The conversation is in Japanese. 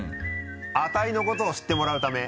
アタイのことを知ってもらうため」